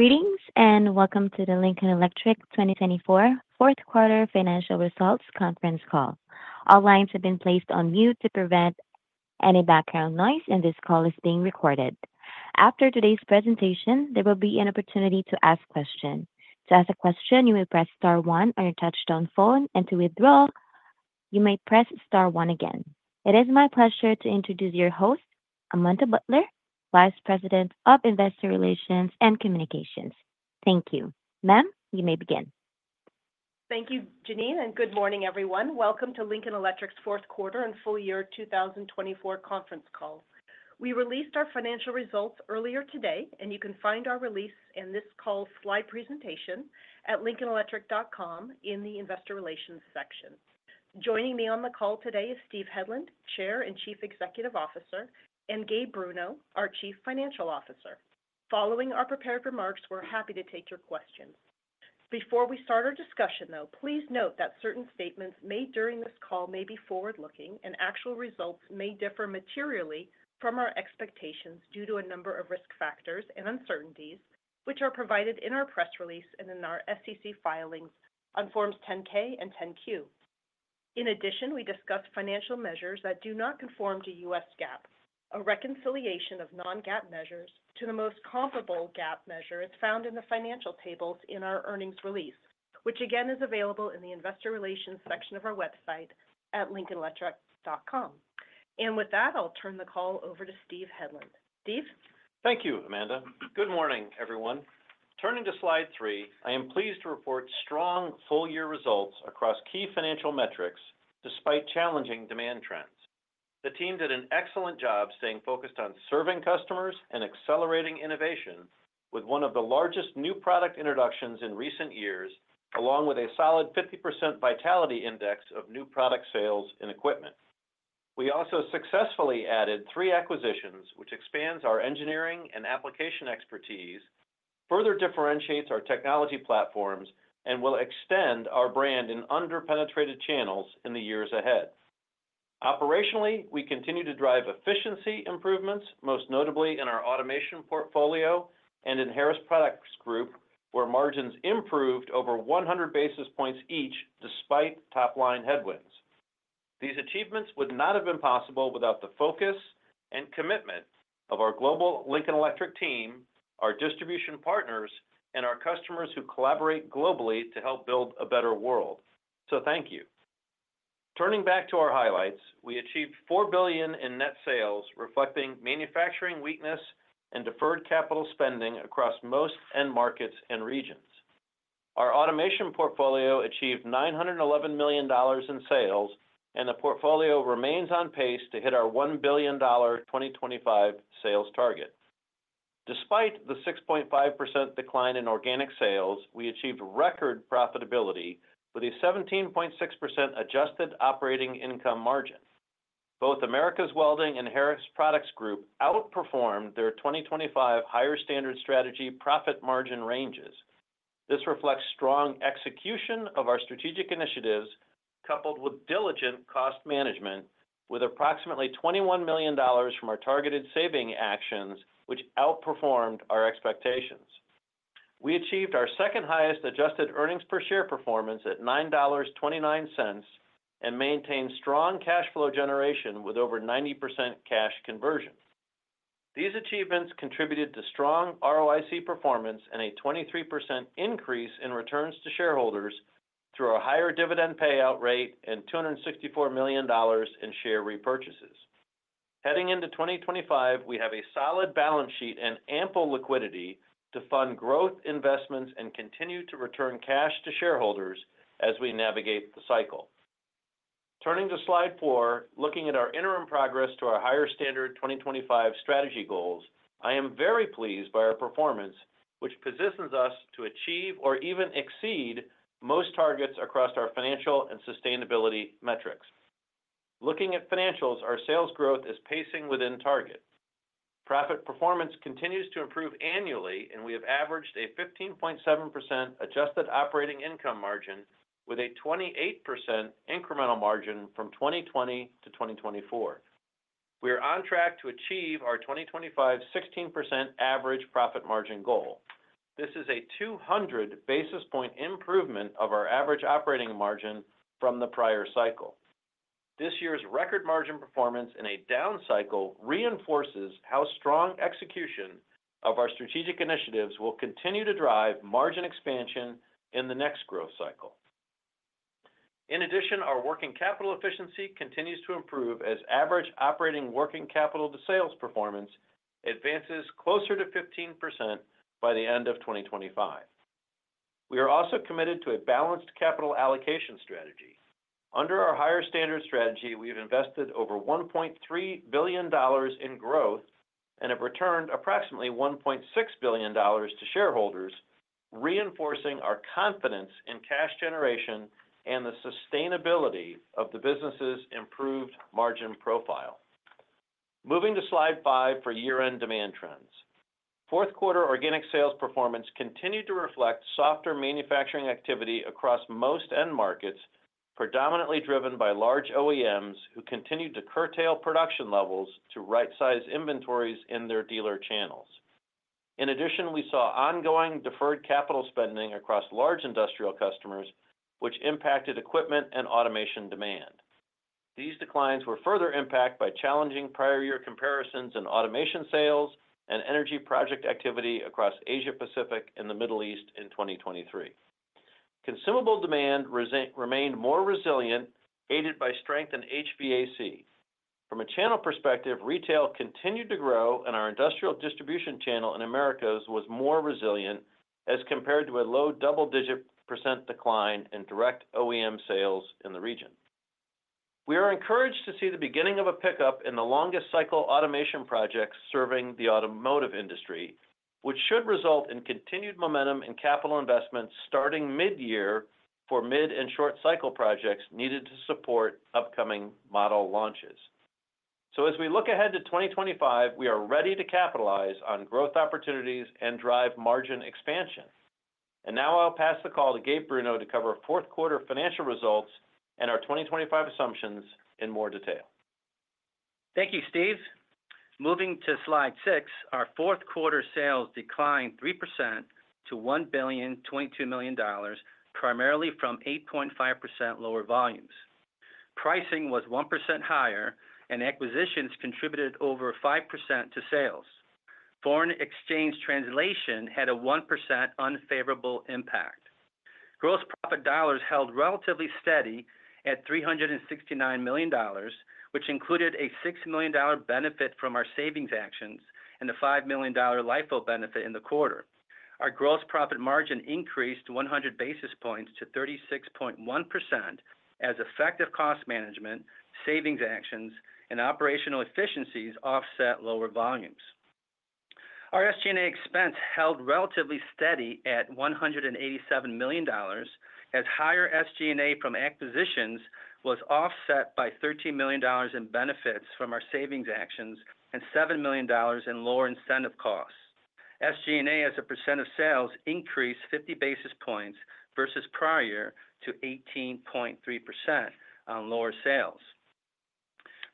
Greetings and welcome to the Lincoln Electric 2024 Fourth Quarter Financial Results conference call. All lines have been placed on mute to prevent any background noise, and this call is being recorded. After today's presentation, there will be an opportunity to ask questions. To ask a question, you will press star one on your touch-tone phone, and to withdraw, you may press star one. Again, it is my pleasure to introduce your host, Amanda Butler, Vice President of Investor Relations and Communications. Thank you, ma'am. Am. You may begin. Thank you, Jeanine. Good morning, everyone. Welcome to Lincoln Electric's fourth quarter and full year 2024 conference call. We released our financial results earlier today and you can find our release and this call slide presentation at lincolnelectric.com in the Investor Relations section. Joining me on the call today is Steve Hedlund, Chair and Chief Executive Officer, and Gabe Bruno, our Chief Financial Officer. Following our prepared remarks, we're happy to take your questions. Before we start our discussion though, please note that certain statements made during this call may be forward-looking and actual results may differ materially from our expectations due to a number of risk factors and uncertainties which are provided in our press release and in our SEC filings on Forms 10-K and 10-Q. In addition, we discuss financial measures that do not conform to U.S. GAAP. A reconciliation of non-GAAP measures to the most comparable GAAP measure is found in the financial tables in our earnings release, which again is available in the Investor Relations section of our website at lincolnelectric.com, and with that I'll turn the call over to Steve Hedlund. Steve, thank you, Amanda. Good morning, everyone. Turning to Slide 3, I am pleased to report strong full year results across key financial metrics. Despite challenging demand trends, the team did an excellent job staying focused on serving customers and accelerating innovation with one of the largest new product introductions in recent years along with a solid 50% Vitality Index of new product sales in equipment. We also successfully added three acquisitions which expands our engineering and application expertise, further differentiates our technology platforms and will extend our brand in underpenetrated channels in the years ahead. Operationally, we continue to drive efficiency improvements, most notably in our automation portfolio and in Harris Products Group where margins improved over 100 basis points each. Despite top line headwinds, these achievements would not have been possible without the focus and commitment of our global Lincoln Electric team, our distribution partners and our customers who collaborate globally to help build a better world. So thank you. Turning back to our highlights, we achieved $4 billion in net sales reflecting manufacturing weakness and deferred capital spending across most end markets and regions. Our Automation portfolio achieved $911 million in sales and the portfolio remains on pace to hit our $1 billion 2025 sales target. Despite the 6.5% decline in organic sales, we achieved record profitability with a 17.6% adjusted operating income margin. Both Americas Welding and Harris Products Group outperformed their 2025 Higher Standard strategy profit margin ranges. This reflects strong execution of our strategic initiatives coupled with diligent cost management. With approximately $21 million from our targeted saving actions which outperformed our expectations, we achieved our second highest adjusted earnings per share performance at $9.29 and maintained strong cash flow generation with over 90% cash conversion. These achievements contributed to strong ROIC performance and a 23% increase in returns to shareholders through our higher dividend payout rate and $264 million in share repurchases. Heading into 2025, we have a solid balance sheet and ample liquidity to fund growth investments and continue to return cash to shareholders as we navigate the cycle. Turning to Slide 4. Looking at our interim progress to our Higher Standard 2025 Strategy goals, I am very pleased by our performance and which positions us to achieve or even exceed most targets across our financial and sustainability metrics. Looking at financials, our sales growth is pacing within target. Profit performance continues to improve annually, and we have averaged a 15.7% adjusted operating income margin with a 28% incremental margin from 2020 to 2024. We are on track to achieve our 2025 16% average profit margin goal. This is a 200 basis points improvement of our average operating margin from the prior cycle. This year's record margin performance in a down cycle reinforces how strong execution of our strategic initiatives will continue to drive margin expansion in the next growth cycle. In addition, our working capital efficiency continues to improve as average operating working capital to sales performance advances closer to 15% by the end of 2025. We are also committed to a balanced capital allocation strategy. Under our Higher Standard strategy, we have invested over $1.3 billion in growth and have returned approximately $1.6 billion to shareholders, reinforcing our confidence in cash generation and the sustainability of the business's improved margin profile. Moving to slide 5 for year-end demand trends. Fourth quarter organic sales performance continued to reflect softer manufacturing activity across most end markets, predominantly driven by large OEMs who continued to curtail production levels to right-size inventories in their dealer channels. In addition, we saw ongoing deferred capital spending across large industrial customers which impacted equipment and automation demand. These declines were further impacted by challenging prior year comparisons in automation, sales and energy project activity across Asia Pacific and the Middle East. In 2023, consumable demand remained more resilient aided by strength in HVAC. From a channel perspective, retail continued to grow and our industrial distribution channel in Americas was more resilient as compared to a low double-digit retail % decline in direct OEM sales in the region. We are encouraged to see the beginning of a pickup in the longest cycle automation projects serving the automotive industry, which should result in continued momentum in capital investments starting mid-year for mid- and short-cycle projects needed to support upcoming model launches. So as we look ahead to 2025, we are ready to capitalize on growth opportunities and drive margin expansion. And now I'll pass the call to Gabe Bruno to cover fourth quarter financial results and our 2025 assumptions in more detail. Thank you, Steve. Moving to Slide 6, our fourth quarter sales declined 3% to $1.022 billion primarily from 8.5% lower volumes. Pricing was 1% higher and acquisitions contributed over 5% to sales. Foreign exchange translation had a 1% unfavorable impact. Gross profit dollars held relatively steady at $369 million, which included a $6 million benefit from our savings actions and the $5 million LIFO benefit in the quarter. Our gross profit margin increased 100 basis points to 36.1% as effective cost management, savings actions, and operational efficiencies offset lower volumes. Our SG&A expense held relatively steady at $187 million as higher SG&A from acquisitions was offset by $13 million in benefits from our savings actions and $7 million in lower incentive costs. SG&A as a percent of sales increased 50 basis points versus prior to 18.3% on lower sales.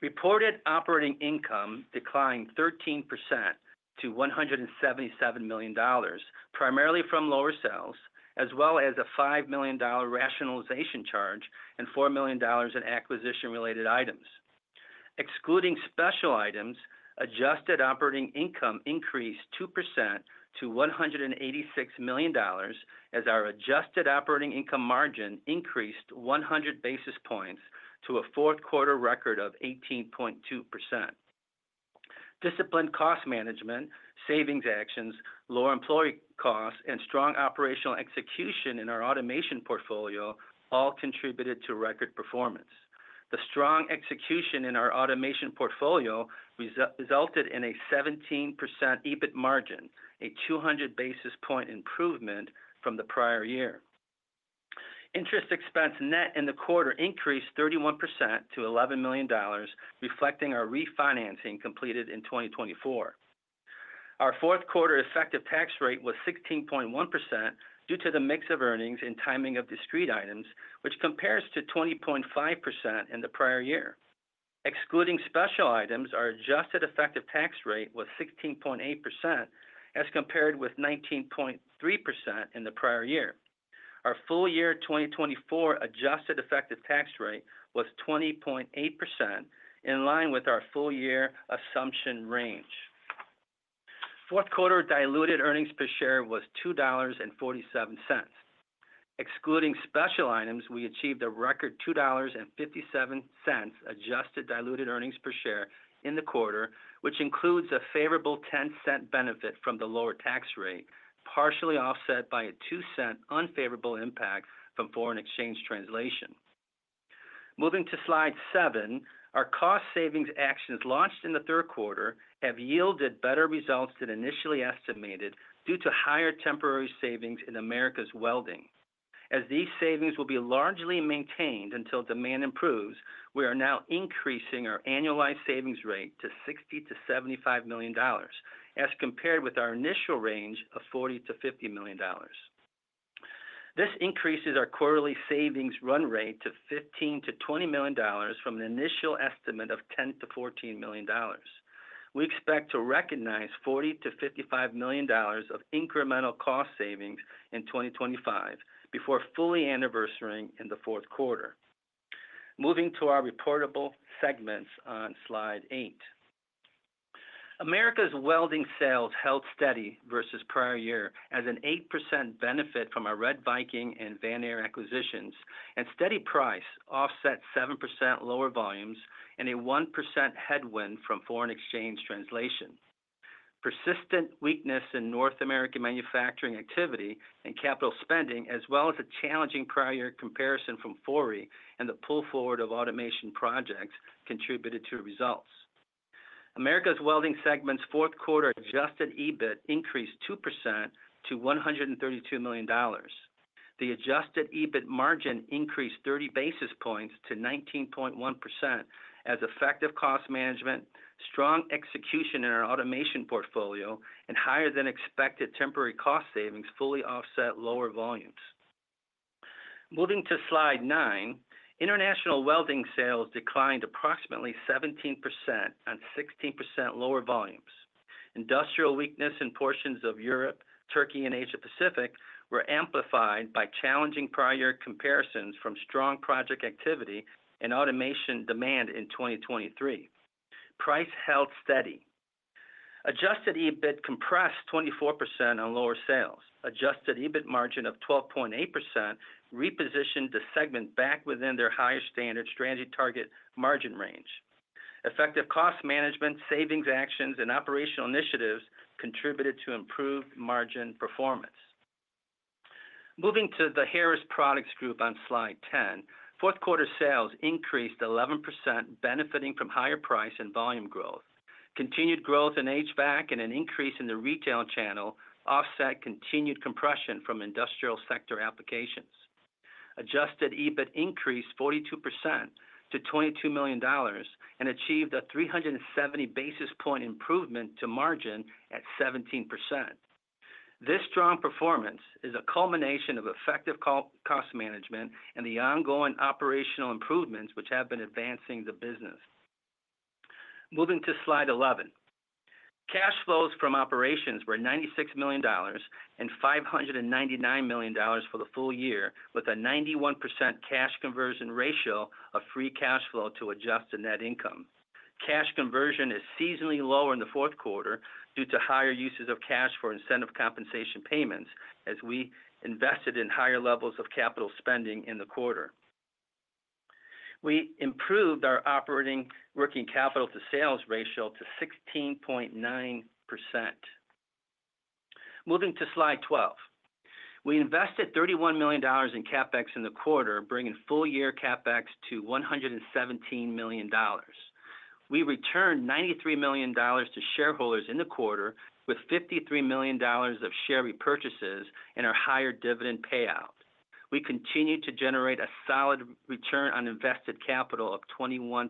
Reported operating income declined 13% to $177 million primarily from lower sales as well as a $5 million rationalization charge and $4 million in acquisition related items excluding special items. Adjusted operating income increased 2% to $186 million as our adjusted operating income margin increased 100 basis points to a fourth quarter record of 18.2%. Disciplined cost management savings actions, lower employee costs, and strong operational execution in our automation portfolio all contributed to record performance. The strong execution in our automation portfolio resulted in a 17% EBIT margin, a 200 basis point improvement from the prior year. Interest expense, net, in the quarter increased 31% to $11 million, reflecting our refinancing completed in 2024. Our fourth quarter effective tax rate was 16.1% due to the mix of earnings and timing of discrete items which compares to 20.5% in the prior year. Excluding special items, our adjusted effective tax rate was 16.8%, as compared with 19.3% in the prior year. Our full year 2024 adjusted effective tax rate was 20.8% in line with our full year assumption range. Fourth quarter diluted earnings per share was $2.47 excluding special items. We achieved a record $2.57 adjusted diluted earnings per share in the quarter, which includes a favorable $0.10 benefit from the lower tax rate partially offset by a $0.02 unfavorable impact from foreign exchange. translation. Moving to slide 7. Our cost savings actions launched in the third quarter have yielded better results than initially estimated due to higher temporary savings in Americas welding as these savings will be largely maintained until demand improves. We are now increasing our annualized savings rate to $60 million-$75 million as compared with our initial range of $40 million-$50 million. This increases our quarterly savings run rate to $15-$20 million from an initial estimate of $10-$14 million. We expect to recognize $40-$55 million of incremental cost savings in 2025 before fully anniversarying in the fourth quarter. Moving to our reportable segments on Slide 8, Americas welding sales held steady versus prior year as an 8% benefit from our RedViking and Vanair acquisitions and steady price offset 7% lower volumes and a 1% headwind from foreign exchange translation. Persistent weakness in North American manufacturing activity and capital spending as well as a challenging prior year comparison from Fori and the pull forward of automation projects contributed to results. Americas Welding segment's fourth quarter Adjusted EBIT increased 2% to $132 million. The adjusted EBIT margin increased 30 basis points to 19.1% as effective cost management, strong execution in our automation portfolio and higher than expected temporary cost savings fully offset lower volumes. Moving to Slide 9, International Welding sales declined approximately 17% and 16% lower volumes. Industrial weakness in portions of Europe, Turkey and Asia Pacific were amplified by challenging prior comparisons from strong project activity and automation demand in 2023. Price held steady. Adjusted EBIT compressed 24% on lower sales. Adjusted EBIT margin of 12.8% repositioned the segment back within their higher standard strategy target margin range. Effective cost management savings actions and operational initiatives contributed to improved margin performance. Moving to the Harris Products Group on Slide 10, fourth quarter sales increased 11% benefiting from higher price and volume growth, continued growth in HVAC and an increase in the retail channel offset continued compression from industrial sector applications. Adjusted EBIT increased 42% to $22 million and achieved a 370 basis point improvement to margin at 17%. This strong performance is a culmination of effective cost management and the ongoing operational improvements which have been advancing the business. Moving to Slide 11, cash flows from operations were $96 million and $599 million for the full year with a 91% cash conversion ratio of free cash flow to adjusted net income. Cash conversion is seasonally lower in the fourth quarter due to higher uses of cash for incentive compensation payments. As we invested in higher levels of capital spending in the quarter, we improved our operating working capital to sales ratio to 16.9%. Moving to Slide 12, we invested $31 million in CapEx in the quarter, bringing full year CapEx to $117 million. We returned $93 million to shareholders in the quarter with $53 million of share repurchases and our higher dividend payout. We continue to generate a solid return on invested capital of 21.8%.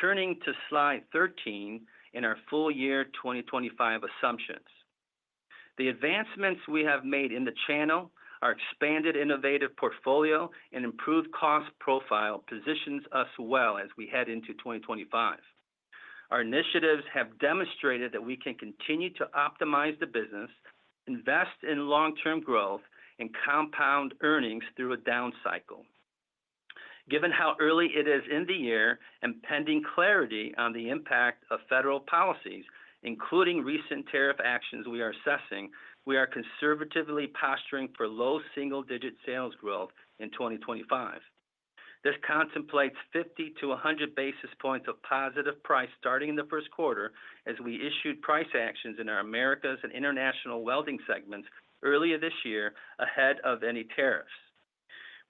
Turning to slide 13 in our full year 2025 assumptions, the advancements we have made in the channel, our expanded innovative portfolio and improved cost profile positions us well as we head into 2025. Our initiatives have demonstrated that we can continue to optimize the business, invest in long term growth and compound earnings through a down cycle. Given how early it is in the year and pending clarity on the impact of federal policies including recent tariff actions we are assessing, we are conservatively posturing for low single-digit sales growth in 2025. This contemplates 50 to 100 basis points of positive price starting in the first quarter as we issued price actions in our Americas and international welding segments earlier this year ahead of any tariffs.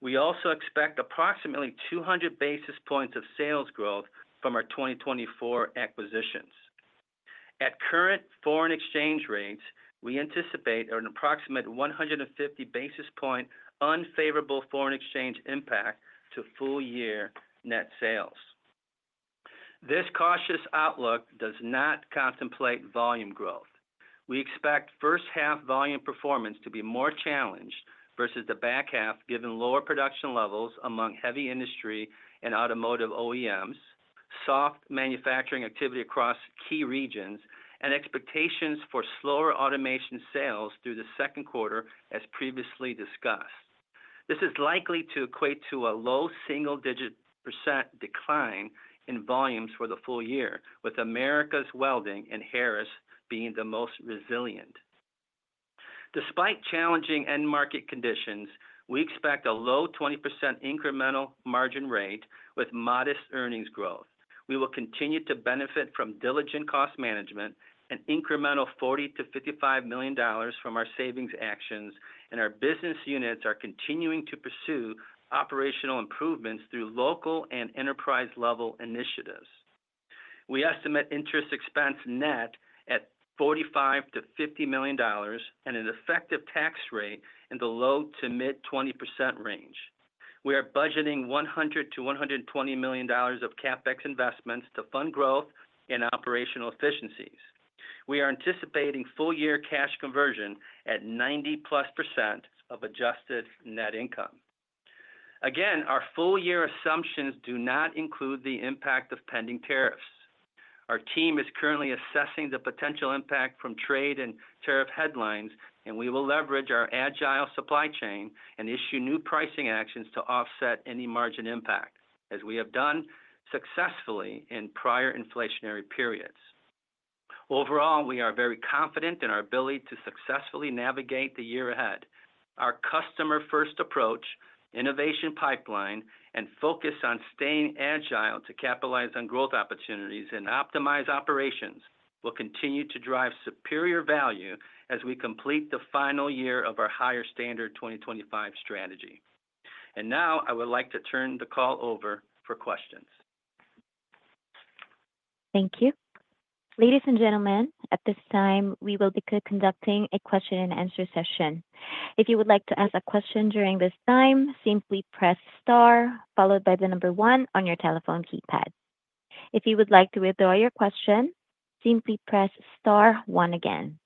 We also expect approximately 200 basis points of sales growth from our 2024 acquisitions. At current foreign exchange rates, we anticipate an approximate 150 basis point unfavorable foreign exchange impact to full year net sales. This cautious outlook does not contemplate volume growth. We expect first half volume performance to be more challenged versus the back half given lower production levels among heavy industry and automotive OEMs, soft manufacturing activity across key regions and expectations for slower automation sales through the second quarter. As previously discussed, this is likely to equate to a low single-digit % decline in volumes for the full year with Americas Welding and Harris being the most resilient despite challenging end market conditions. We expect a low 20% incremental margin rate with modest earnings growth. We will continue to benefit from diligent cost management and incremental $40-$55 million from our savings actions and our business units are continuing to pursue operational improvements through local and enterprise level initiatives. We estimate interest expense net at $45-$50 million and an effective tax rate in the low- to mid-20% range. We are budgeting $100-$120 million of CapEx investments to fund growth and operational efficiencies. We are anticipating full year cash conversion at 90-plus % of adjusted net income. Again, our full year assumptions do not include the impact of pending tariffs. Our team is currently assessing the potential impact from trade and tariff headlines and we will leverage our agile supply chain and issue new pricing actions to offset any margin impact as we have done successfully in prior inflationary periods. Overall, we are very confident in our ability to successfully navigate the year ahead. Our customer first approach, innovation pipeline, and focus on staying agile to capitalize on growth opportunities and optimize operations will continue to drive superior value as we complete the final year of our Higher Standard 2025 Strategy, and now I would like to turn the call over for questions. Thank you. Ladies and gentlemen, at this time we will be conducting a question and answer session. If you would like to ask a question during this time, simply press star followed by the number one on your telephone keypad. If you would like to withdraw your question, simply press star one again.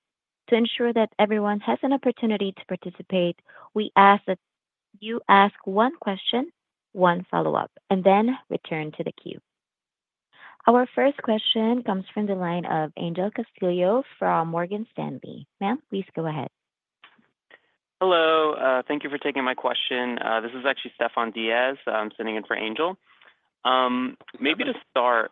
To ensure that everyone has an opportunity to participate, we ask that you ask one question, one follow up and then return to the queue. Our first question comes from the line of Angel Castillo from Morgan Stanley. Ma'am, please go ahead. Hello, thank you for taking my question. This is actually Stephan Diaz sitting in. For Angel, maybe to start.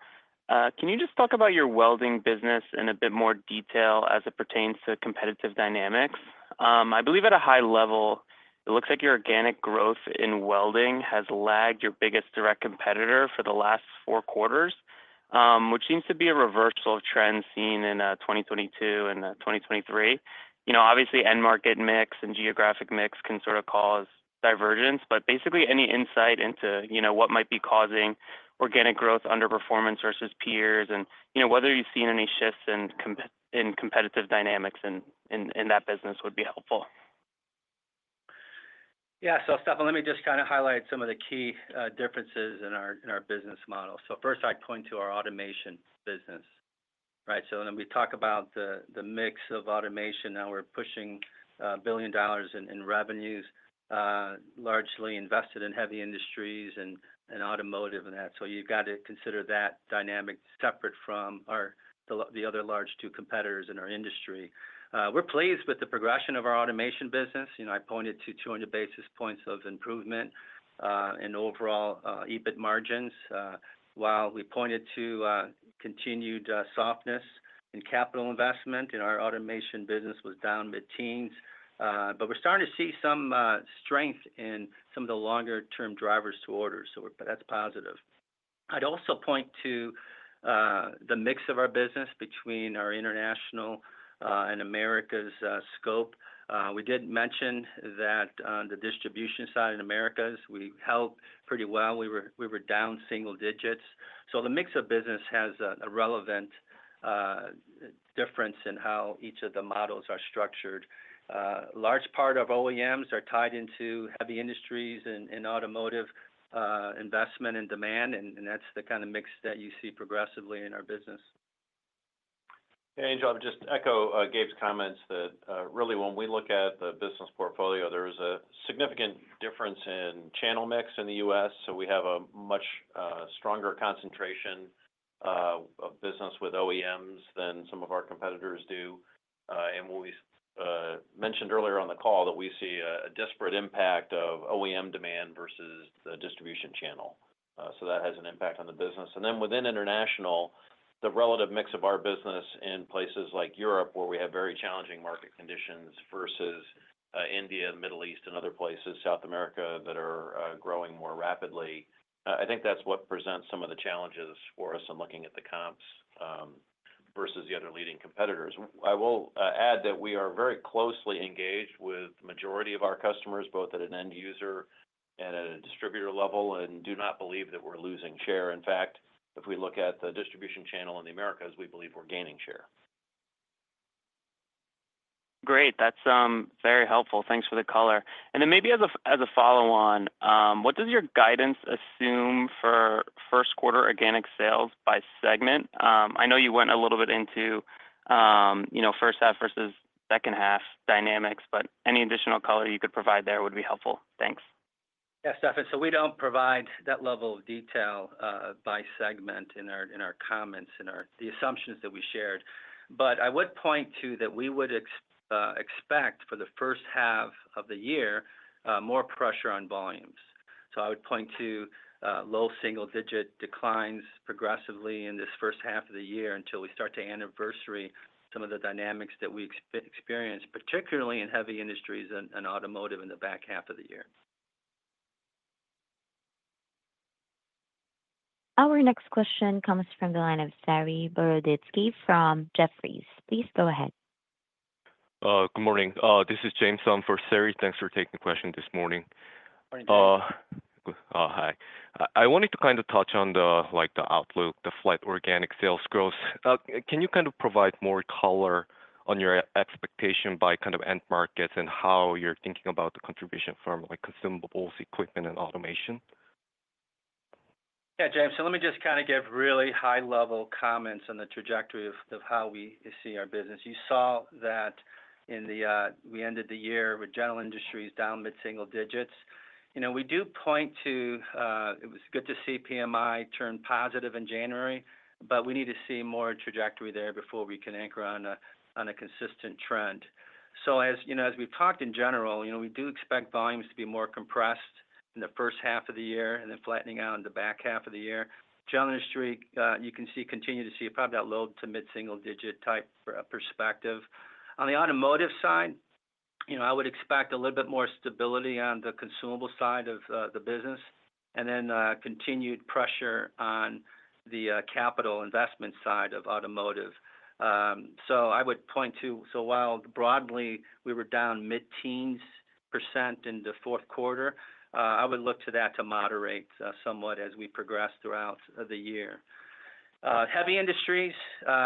Can you just talk about your welding. Business in a bit more detail as it pertains to competitive dynamics? I believe at a high level it. Looks like your organic growth in welding. Has lagged your biggest direct competitor for. The last four quarters, which seems to be a reversal of trends seen in 2022 and 2023. You know, obviously end market mix and geographic mix can sort of cause divergence. But basically any insight into, you know. What might be causing organic growth, underperformance versus peers and you know, whether you've? Seen any shifts in competitive dynamics in that business would be helpful. Yeah. So Stephan, let me just kind of highlight some of the key differences in our business model. So first I point to our automation business. Right. So then we talk about the mix of automation. Now we're pushing $1 billion in revenues largely invested in heavy industries and automotive and that. So you've got to consider that dynamic separate from the other large two competitors in our industry. We're pleased with the progression of our automation business. You know I pointed to 200 basis points of improvement in overall EBIT margins while we pointed to continued softness in capital investment. Investment in our automation business was down mid-teens. But we're starting to see some strength in some of the longer-term drivers to order so that's positive. I'd also point to the mix of our business between our international and Americas scope. We did mention that the distribution side in Americas we held pretty well. We were, we were down single digits. So the mix of business has a relevant difference in how each of the models are structured. A large part of OEMs are tied into heavy industries and automotive investment and demand and that's the kind of mix that you see progressively in our business. Angel, I would just echo Gabe's comments that really when we look at the business portfolio there is a significant difference in channel mix in the U.S. So we have a much stronger concentration of business with OEMs than some of our competitors do. And we mentioned earlier on the call that we see a disparate impact of OEM demand versus the distribution channel. So that has an impact on the business. And then within international, the relative mix of our business in places like Europe where we have very challenging market conditions versus India, Middle East and other places, South America that are growing more rapidly. I think that's what presents some of the challenges for us in looking at the comps versus the other leading competitors. I will add that we are very closely engaged with majority of our customers both at an end user and at a distributor level and do not believe that we're losing share. In fact, if we look at the distribution channel in the Americas, we believe we're gaining share. Great, that's very helpful. Thanks for the color. And then maybe as a follow-on. What does your guidance assume for first? Quarter organic sales by segment? I know you went a little bit. to, you know, first half versus second half dynamics, but any additional color you could provide there would be helpful. Thanks. Yeah, Stephan, so we don't provide that level of detail by segment in our comments and the assumptions that we shared, but I would point to that we would expect for the first half of the year more pressure on volumes, so I would point to low single-digit declines progressively in this first half of the year until we start to anniversary some of the dynamics that we experience particularly in heavy industries and automotive in the back half of the year. Our next question comes from the line of Sari Boroditsky from Jefferies. Please go ahead. Good morning, this is Jameson for Sari. Thanks for taking the question this morning. Hi. I wanted to kind of touch on, like, the outlook, the flat organic sales growth. Can you kind of provide more color on your expectation by kind of end markets and how you're thinking about the contribution from like consumables, equipment and automation? Yeah James. So let me just kind of give really high level comments on the trajectory of how we see our business. You saw that we ended the year with general industries down mid-single-digits. You know we do point to it. It was good to see PMI turn positive in January but we need to see more trajectory there before we can anchor on a consistent trend. So as you know as we've talked in general, you know we do expect volumes to be more compressed in the first half of the year and then flattening out in the back half of the year. General industry you can see continue to see probably that low- to mid-single-digit type perspective on the automotive side. You know I would expect a little bit more stability on the consumable side of the business and then continued pressure on the capital investment side of automotive. So I would point to so while broadly we were down mid-teens % in the fourth quarter I would look to that to moderate somewhat as we progress throughout the year. Heavy industries,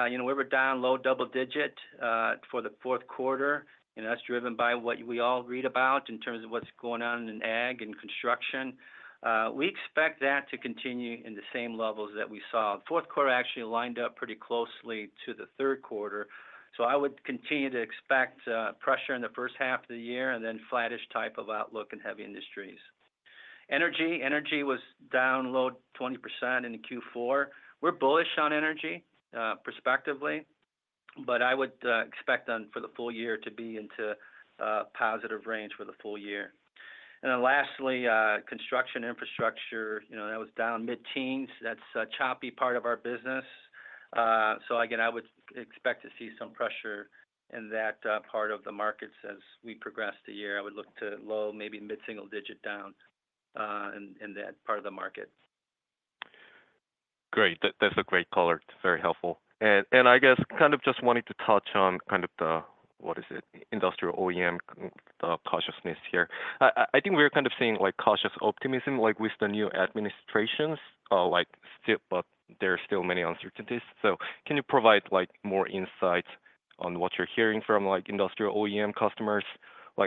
you know we were down low double-digit % for the fourth quarter and that's driven by what we all read about in terms of what's going on in ag and construction. We expect that to continue in the same levels that we saw fourth quarter actually lined up pretty closely to the third quarter. So I would continue to expect pressure in the first half of the year and then flattish type of outlook in heavy industries. Energy was down low 20% in Q4. We're bullish on energy prospectively, but I would expect for the full year to be into positive range for the full year, and then lastly construction infrastructure, you know, that was down mid-teens. That's a choppy part of our business, so again I would expect to see some pressure in that part of the markets as we progress the year. I would look to low, maybe mid-single-digit down in that part of the market. Great, that's a great color. Very helpful and I guess kind of just wanted to touch on kind of the, what is it industrial OEM cautiousness here. I think we're kind of seeing like cautious optimism like with the new administrations, but there are still many uncertainties. So can you provide more insight on what you're hearing from industrial OEM customers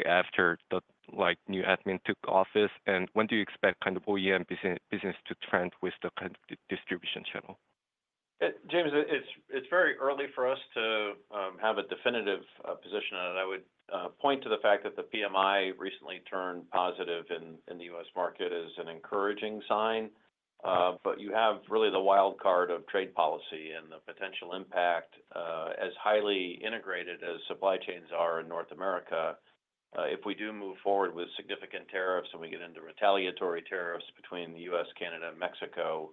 after the like new admin took office? And when do you expect kind of OEM business to trend with the distribution channel? James, it's very early for us to have a definitive position on it. I would point to the fact that the PMI recently turned positive in the U.S. market is an encouraging sign. But you have really the wild card of trade policy and the potential impact. As highly integrated as supply chains are in North America, if we do move forward with significant tariffs and we get into retaliatory tariffs between the U.S., Canada, and Mexico,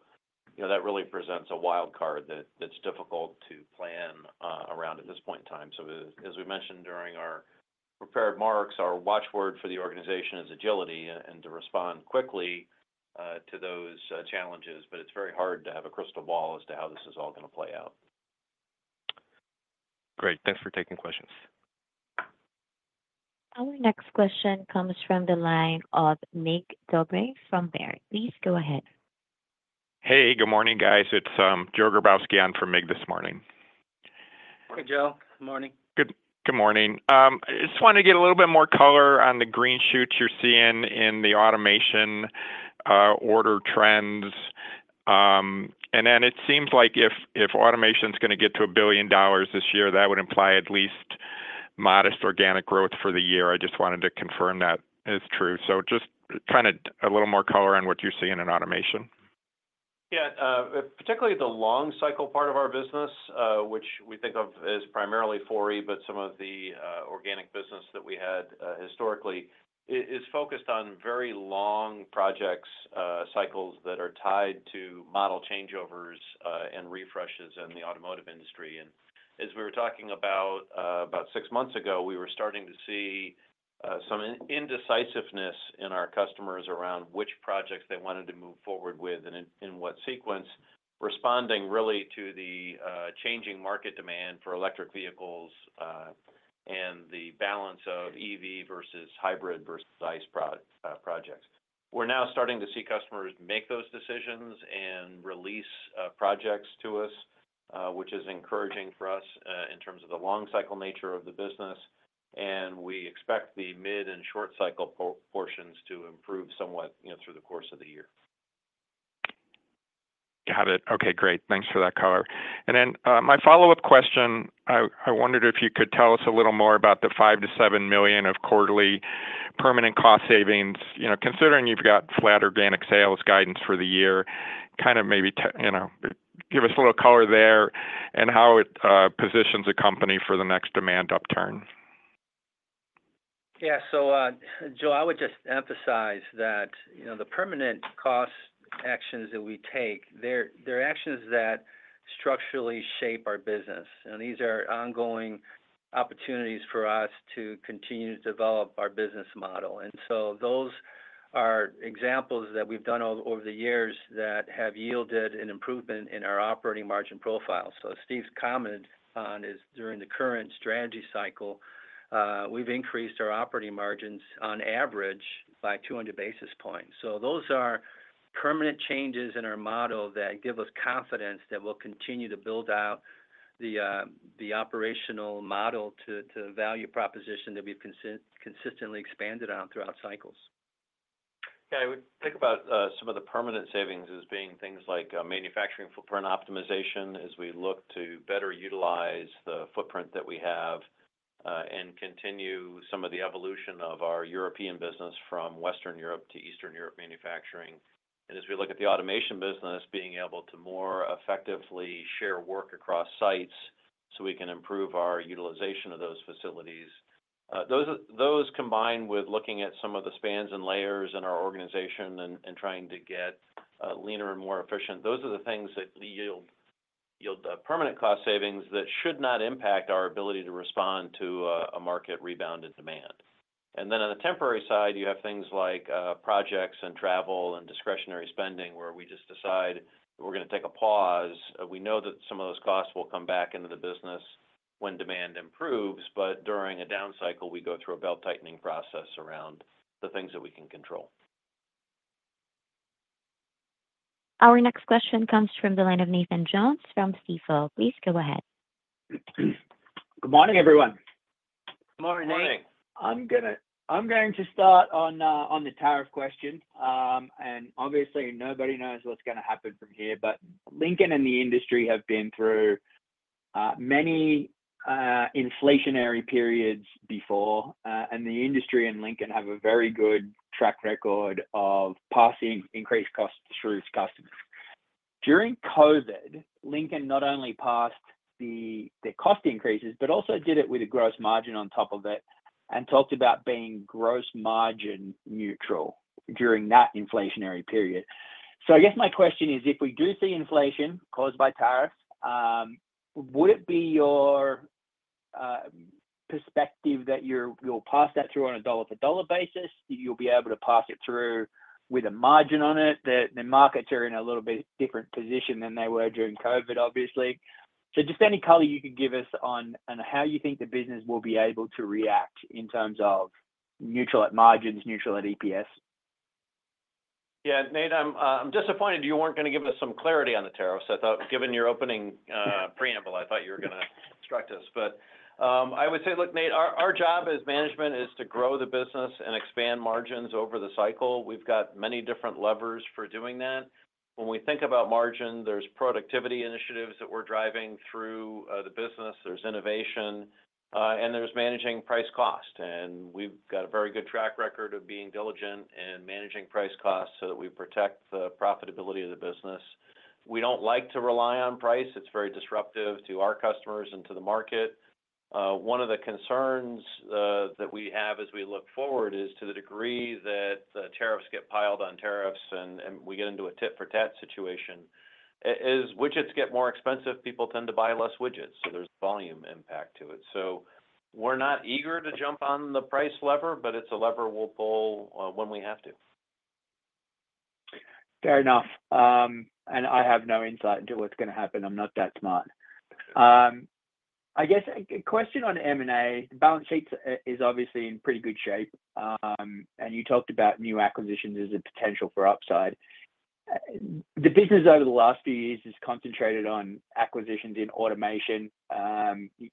that really presents a wild card that's difficult to plan around at this point in time. So as we mentioned during our prepared remarks, our watchword for the organization is agility and to respond quickly to those challenges. But it's very hard to have a crystal ball as to how this is all going to play out. Great. Thanks for taking questions. Our next question comes from the line of Mig Dobre from Baird. Please go ahead. Hey, good morning guys. It's Joe Grabowski on from Baird this morning. Joe, good morning. Good morning. Just want to get a little bit more color on the green shoots you're seeing in the automation order trends. And then it seems like if automation is going to get to $1 billion this year, that would imply at least modest organic growth for the year. I just wanted to confirm that is true. So just kind of a little more color on what you're seeing in automation. Yeah, particularly the long cycle part of our business, which we think of as primarily Fori. But some of the organic business that we had historically is focused on very long projects, cycles that are tied to model changeovers, refreshes in the automotive industry. And as we were talking about six months ago, we were starting to see some indecisiveness in our customers around which projects they wanted to move forward with and in what sequence. Responding really to the changing market demand for electric vehicles and the balance of EV versus hybrid versus ICE projects. We're now starting to see customers make those decisions and release projects to us, which is encouraging for us in terms of the long cycle nature of the business. And we expect the mid and short cycle portions to improve somewhat through the course of the year. Got it. Okay, great. Thanks for that color. And then my follow-up question, I wondered if you could tell us a little more about the $5 million-$7 million of quarterly permanent cost savings, considering you've got flat organic sales guidance for the year kind of maybe give us a little color there and how it positions a company for the next demand upturn. Yeah. So, Joe, I would just emphasize that the permanent cost actions that we take, they're actions that structurally shape our business. And these are ongoing opportunities for us to continue to develop our business model. And so those are examples that we've done over the years that have yielded an improvement in our operating margin profile. So Steve commented on is during the current strategy cycle, we've increased our operating margins on average by 200 basis points. So those are permanent changes in our model that give us confidence that we'll continue to build out the operational model to value proposition that we've consistently expanded on throughout cycles. I would think about some of the permanent savings as being things like manufacturing footprint optimization, as we look to better utilize the footprint that we have and continue some of the evolution of our European business from Western Europe to Eastern Europe manufacturing. And as we look at the automation business, being able to more effectively share work across sites so we can improve our utilization of those facilities, those combined with looking at some of the spans and layers in our organization and trying to get leaner and more efficient, those are the things that yield permanent cost savings that should not impact our ability to respond to a market rebound in demand. And then on the temporary side, you have things like projects and travel and discretionary spending where we just decide we're going to take a pause. We know that some of those costs will come back into the business when demand improves, but during a down cycle, we go through a belt tightening process around the things that we can control. Our next question comes from the line of Nathan Jones from Stifel. Please go ahead. Good morning everyone. Morning. I'm going to start on the tariff question and obviously nobody knows what's going to happen from here, but Lincoln and the industry have been through many inflationary periods before and the. Industry and Lincoln have a very good. Track record of passing increased costs through customers. During COVID Lincoln not only passed the cost increases, but also did it with a gross margin on top of it and talked about being gross margin neutral during that inflationary period. So I guess my question is if we do see inflation caused by tariffs, would it be your perspective that you'll pass that through on a dollar for dollar basis? You'll be able to pass it through. With a margin on it. The markets are in a little bit different position than they were during COVID obviously. So just any color you could give us on and how you think the business will be able to react in terms of neutral at margins, neutral at EPS? Yeah. Nate, I'm disappointed you weren't going to give us some clarity on the tariffs. I thought given your opening preamble, I thought you were going to instruct us. But I would say, look, Nate, our job as management is to grow the business and expand margins over the cycle. We've got many different levers for doing that. When we think about margin, there's productivity initiatives that we're driving through the business. There's innovation and there's managing price cost. And we've got a very good track record of being diligent and managing price costs so that we protect the profitability of the business. We don't like to rely on price. It's very disruptive to our customers and to the market. One of the concerns that we have as we look forward is to the degree that tariffs get piled on tariffs and we get into a tit for tat situation. As widgets get more expensive, people tend to buy less widgets. So there's volume impact to it. So we're not eager to jump on the price lever, but it's a lever we'll pull when we have to. Fair enough. And I have no insight into what's going to happen. I'm not that smart. I guess a question on M&A. Balance sheet is obviously in pretty good shape, and you talked about new acquisitions as a potential for upside. The business over the last few years is concentrated on acquisitions in automation.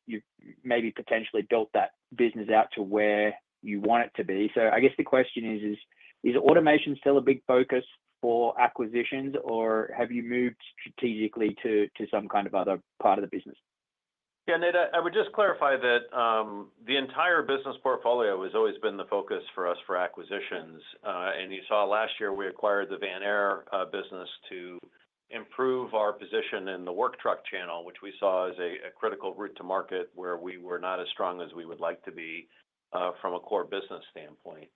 You've maybe potentially built that business out to where you want it to be, so I guess the question is, is automation still a big focus for acquisitions or have you moved strategically to some kind of other part of the business? Nate, I would just clarify that. The entire business portfolio has always been the focus for us for acquisitions, and you saw last year we acquired the Vanair business to improve our position in the work truck channel, which we saw as a critical route to market where we were not as strong as we would like to be from a core business standpoint.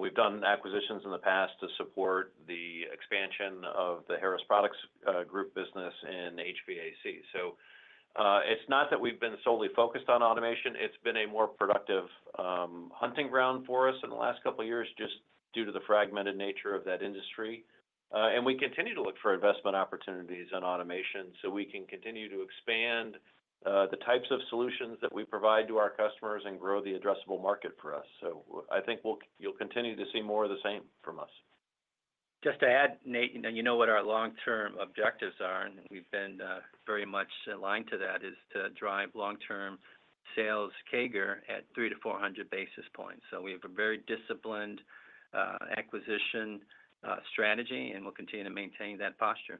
We've done acquisitions in the past to support the expansion of the Harris Products Group business in HVAC, so it's not that we've been solely focused on automation. It's been a more productive hunting ground for us in the last couple years just due to the fragmented nature of that industry, and we continue to look for investment opportunities in automation so we can continue to expand the types of solutions that we provide to our customers and grow the addressable market for us. So I think you'll continue to see more of the same from us. Just to add, Nate, you know what our long-term objectives are and we've been very much aligned to that, is to drive long-term sales CAGR at 300 to 400 basis points. So we have a very disciplined acquisition strategy and we'll continue to maintain that posture.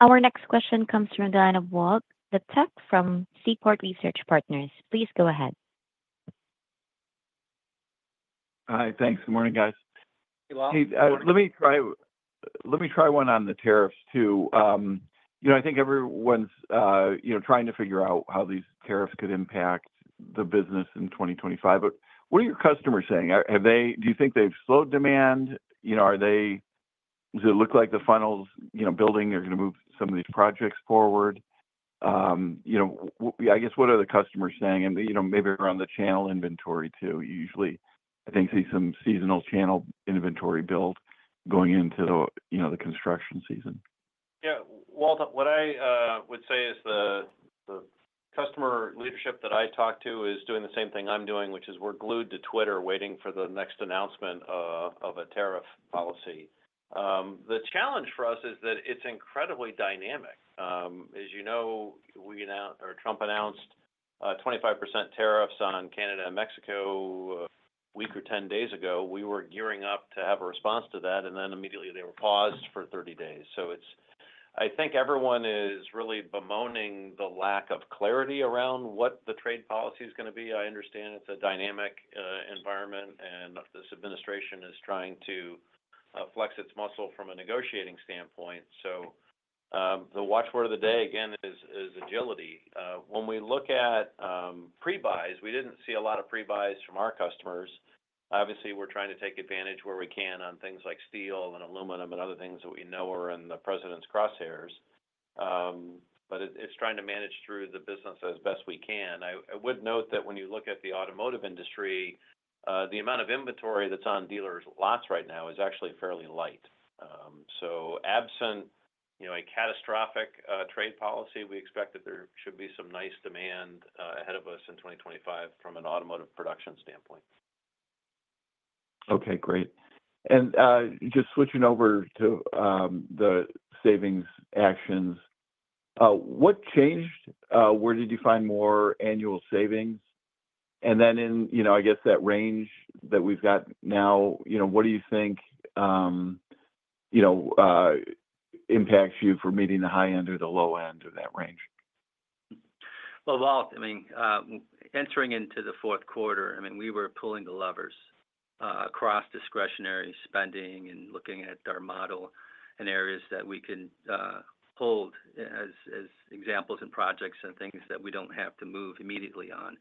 Our next question comes from Walter Liptak from Seaport Research Partners. Please go ahead. Hi. Thanks. Good morning, guys. Let me try, let me try one on the tariffs too. You know, I think everyone's, you know, trying to figure out how these tariffs could impact the business in 2025. But what are your customers saying? Have they? Do you think they've slowed demand? You know, are they? Does it look like the funnels, you know, building are going to move some of these projects forward? You know, I guess what are the customers saying? And you know, maybe around the channel inventory too? Usually I think see some seasonal channel inventory build going into the construction season. Yeah, Walter, what I would say is the customer leadership that I talk to is doing the same thing I'm doing, which is we're glued to Twitter waiting for the next announcement of a tariff policy. The challenge for us is that it's incredibly dynamic. As you know, Trump announced 25% tariffs on Canada and Mexico a week or 10 days ago. We were gearing up to have a response to that and then immediately they were paused for 30 days. So it's, I think everyone is really bemoaning the lack of clarity around what the trade policy is going to be. I understand it's a dynamic environment and this administration is trying to flex its muscle from a negotiating standpoint. So the watchword of the day again is agility. When we look at pre buys, we didn't see a lot of pre buys from our customers. Obviously we're trying to take advantage where we can on things like steel and aluminum and other things that we know are in the President's crosshairs. But it's trying to manage through the business as best we can. I would note that when you look at the automotive industry, the amount of inventory that's on dealers' lots right now is actually fairly light. So absent a catastrophic trade policy, we expect that there should be some nice demand ahead of us in 2025 from an automotive production standpoint. Okay, great, and just switching over to the savings actions. What changed? Where did you find more annual savings? And then in, you know, I guess that range that we've got now, you know, what do you think? You know, impacts you for meeting the high end or the low end of that range? Walt, I mean, entering into the fourth quarter, I mean, we were pulling the levers across discretionary spending and looking at our model in areas that we can hold as examples and projects and things that we don't have to move immediately on.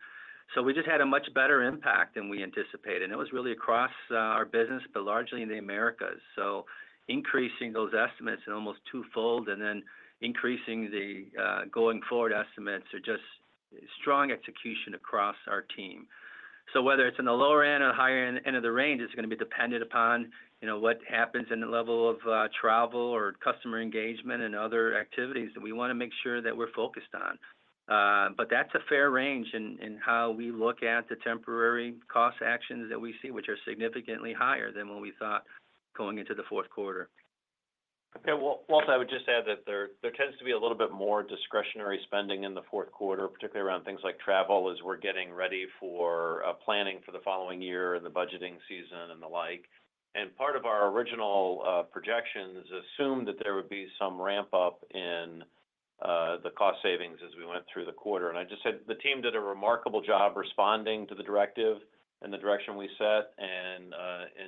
So we just had a much better impact than we anticipated. And it was really across our business, but largely in the Americas. So increasing those estimates almost twofold and then increasing the going forward estimates are just strong execution across our team. So whether it's in the lower end or higher end of the range, it's going to be dependent upon what happens in the level of travel or customer engagement and other activities that we want to make sure that we're focused on. But that's a fair range in how we look at the temporary cost actions that we see, which are significantly higher than what we thought going into the fourth quarter. Walt, I would just add that there tends to be a little bit more discretionary spending in the fourth quarter, particularly around things like travel as we're getting ready for planning for the following year and the budgeting season and the like. And part of our original projections assumed that there would be some ramp up in the cost savings as we went through the quarter. And I just said the team did a remarkable job responding to the directive, the direction we set, and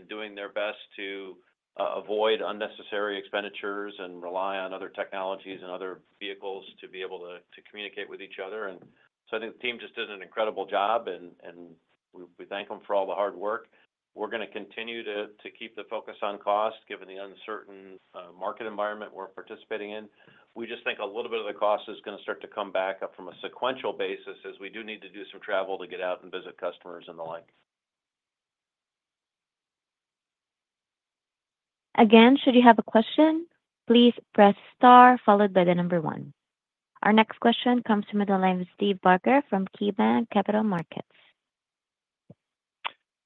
doing their best to avoid unnecessary expenditures and rely on other technologies and other vehicles to be able to communicate with each other. So I think the team just did an incredible job and we thank them for all the hard work. We're going to continue to keep the focus on cost given the uncertain market environment we're participating in. We just think a little bit of the cost is going to start to come back up on a sequential basis, as we do need to do some travel to get out and visit key customers and the like. Again, should you have a question, please press star followed by the number one. Our next question comes from the line of Steve Barger from KeyBanc Capital Markets.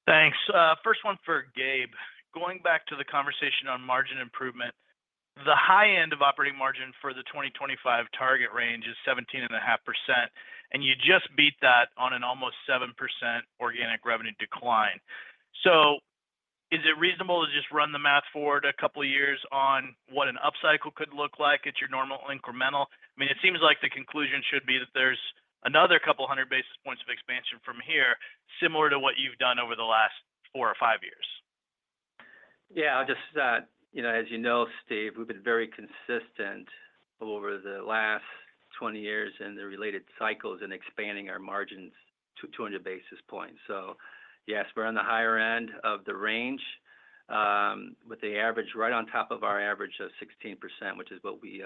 Thanks. First one for Gabe. Going back to the conversation on margin improvement, the high end of operating margin for the 2025 target range is 17.5% and you just beat that on an almost 7% organic revenue dec. So is it reasonable to just run the math forward a couple years on what an upcycle could look like at your normal incremental? I mean, it seems like the conclusion should be that there's another couple hundred basis points of expansion from here, similar to what you've done over the last four or five years. Yeah, just, you know, as you know Steve, we've been very consistent over the last 20 years and the related cycles in expanding our margins 200 basis points. So yes, we're on the higher end of the range with the average right on top of our average of 16%, which is what we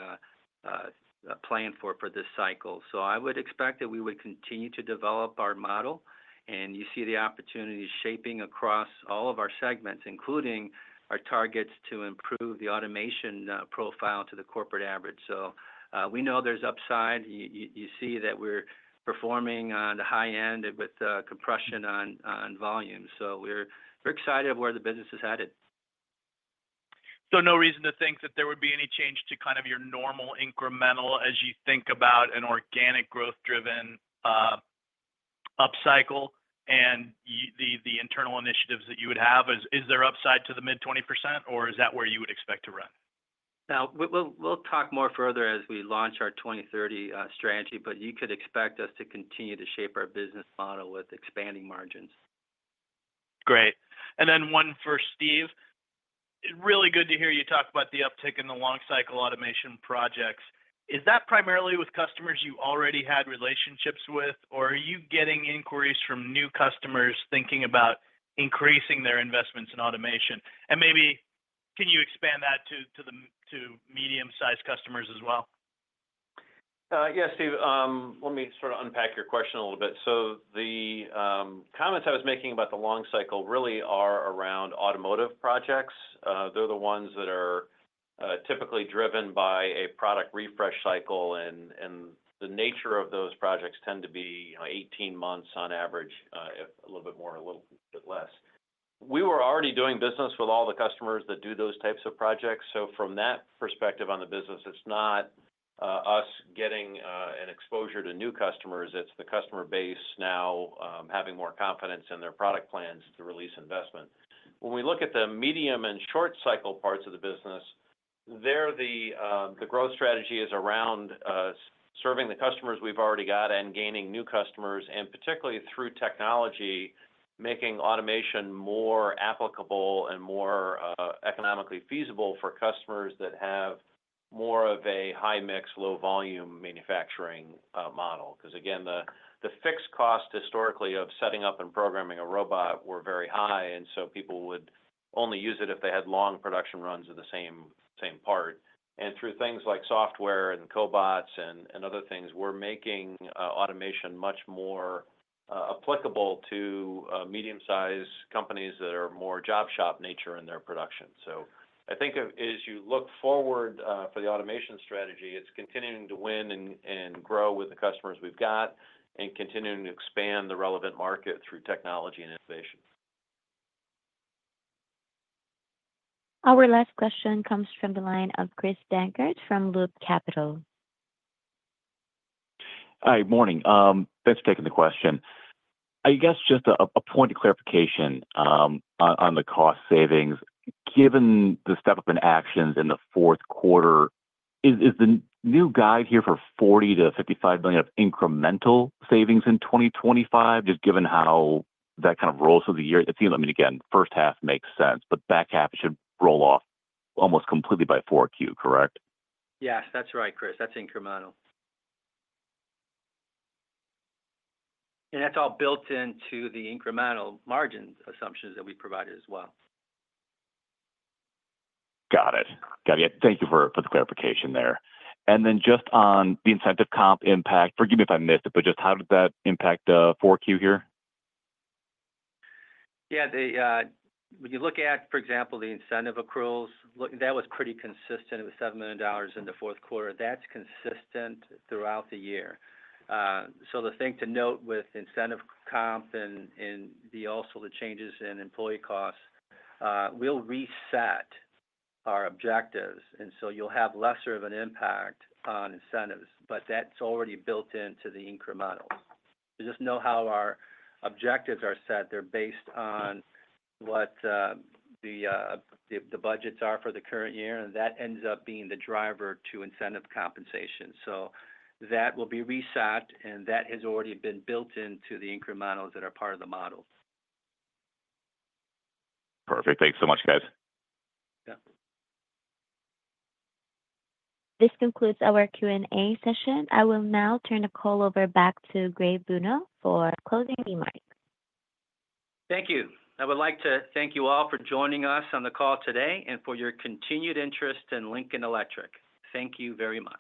plan for this cycle. So I would expect that we would continue to develop our model and you see the opportunities shaping across all of our segments, including our targets to improve the automation profile to the corporate average. So we know there's upside. You see that we're performing on the high end with compression on volumes. So we're excited of where the business is headed. So no reason to think that there would be any change to kind of your normal incremental. As you think about an organic growth driven up cycle and the internal initiatives that you would have, is there upside to the mid 20% or is that where you would expect to run now? We'll talk more further as we launch our 2030 strategy, but you could expect us to continue to shape our business model with expanding margins. Great. And then one for Steve. Really good to hear you talk about the uptick in the long cycle automation projects. Is that primarily with customers you already had relationships with or are you getting inquiries from new customers thinking about increasing their investments in automation, and maybe can you expand that to medium sized customers as well? Yes, Steve, let me sort of unpack your question a little bit. So the comments I was making about the long cycle really are around automotive projects. They're the ones that are typically driven by a product refresh cycle. And the nature of those projects tend to be 18 months on average, a little bit more, a little bit less. We were already doing business with all the customers that do those types of projects. From that point perspective on the business, it's not us getting an exposure to new customers. It's the customer base now having more confidence in their product plans to release investment. When we look at the medium and short cycle parts of the business, there the growth strategy is around serving the customers we've already got and gaining new customers. And particularly through technology making automation more applicable and more economically feasible for customers that have more of a high mix, low volume manufacturing model. Because again, the fixed cost historically of setting up and programming a robot were very high and so people would only use it if they had long production runs of the same part. And through things like software and cobots and other things, we're making automation much more applicable to medium sized companies that are more job shop nature in their production. So I think as you look forward for the automation strategy, it's continuing to win and grow with the customers we've got and continuing to expand the relevant market through technology and innovation. Our last question comes from the line of Chris Dankert from Loop Capital. Hi. Morning. Thanks for taking the question. I guess just a point of clarification on the cost savings, given the step up in actions in the fourth quarter. Is the new guide here for $40 million-$55 million of incremental savings in 2025? Just given how that kind of rolls through the year, it seems, I mean, again, first half makes sense, but back half it should roll off almost completely by 4Q, correct? Yes, that's right, Chris. That's incremental and that's all built into the incremental margin assumptions that we provided as well. Got it, got it. Thank you for the clarification there. And then just on the incentive comp impact, forgive me if I missed it, but just how did that impact 4Q here? Yeah, when you look at, for example, the incentive accruals, that was pretty consistent. It was $7 million in the fourth quarter. That's consistent throughout the year. So the thing to note, with incentive accruals comp and also the changes in employee costs, we'll reset our objectives and so you'll have less of an impact on incentives. But that's already built into the incremental. Just know how our objectives are set. They're based on what the budgets are for the current year and that ends up being the driver to incentive compensation. So that will be reset and that has already been built into the incrementals that are part of the model. Perfect. Thanks so much, guys. This concludes our Q and A session. I will now turn the call over back to Gabe Bruno for closing remarks. Thank you. I would like to thank you all for joining us on the call today and for your continued interest in Lincoln Electric. Thank you very much.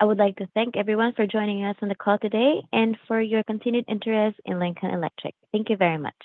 I would like to thank everyone for joining us on the call today and for your continued interest in Lincoln Electric. Thank you very much.